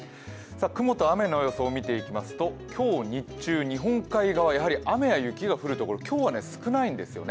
雲と雨の予想を見てみますと今日日中、日本海側、雨や雪の降る所、今日は少ないんですよね。